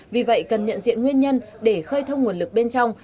vì vậy cần nhận diện nguyên nhân để khơi thông nguồn lực bên trong